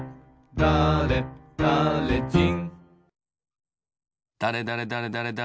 だれだれじん。